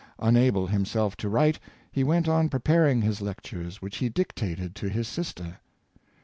Unable himself to write, he went on preparing his lectures, which he dictated to his sister.